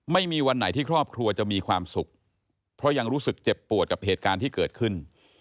ไม่มีวันไหนที่ครอบครัวจะมีความสุขเพราะยังรู้สึกเจ็บปวดกับเหตุการณ์ที่เกิดขึ้น